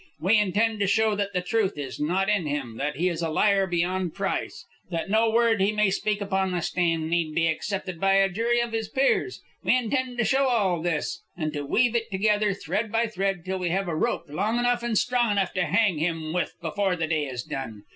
We intend to show that the truth is not in him; that he is a liar beyond price; that no word he may speak upon the stand need be accepted by a jury of his peers. We intend to show all this, and to weave it together, thread by thread, till we have a rope long enough and strong enough to hang him with before the day is done.